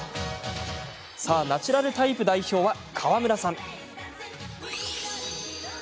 ナチュラルタイプ代表は川村さん。